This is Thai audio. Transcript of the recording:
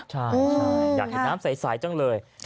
ใช่อยากเห็นน้ำใสจังเลย